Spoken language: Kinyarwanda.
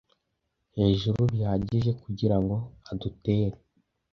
hejuru bihagije kugirango adutere